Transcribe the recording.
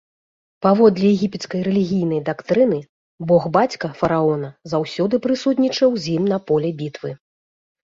Паводле егіпецкай рэлігійнай дактрыны, бог-бацька фараона заўсёды прысутнічаў з ім на поле бітвы.